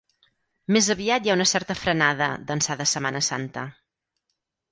Més aviat hi ha una certa frenada d’ençà de Setmana Santa.